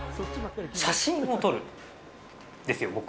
写真を撮るんですよ、僕。